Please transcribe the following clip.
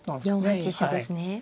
４八飛車ですね。